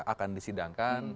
ada yang akan disidangkan